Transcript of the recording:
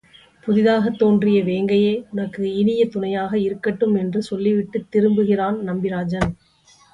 புதிதாகத் தோன்றிய வேங்கையே உனக்கு இனிய துணையாக இருக்கட்டும் என்று சொல்லிவிட்டுத் திரும்பு கிறான் நம்பிராஜன்.